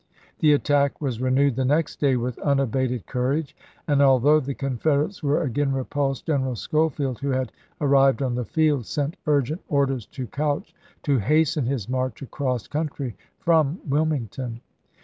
The attack was renewed the next day with unabated courage, and although the Confederates were again repulsed, General Schofield, who had arrived on the field, sent urgent orders to Couch to hasten his march across country from Wilmington.